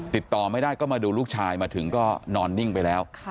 ติดต่อไม่ได้ก็มาดูลูกชายมาถึงก็นอนนิ่งไปแล้ว